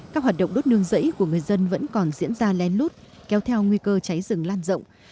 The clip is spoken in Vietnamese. các hoạt động đốt nương rẫy của người dân vẫn còn diễn ra lén lút kéo theo nguy cơ cháy rừng lan rộng